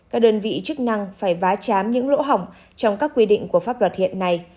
các đơn vị chức năng phải vá chám những lỗ hỏng trong các quy định của pháp luật hiện nay